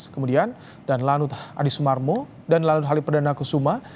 kemudian dan lanut adi sumarmo dan lalun halim perdana kusuma